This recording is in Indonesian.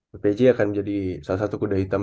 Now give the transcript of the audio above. bpj akan menjadi salah satu kuda hitam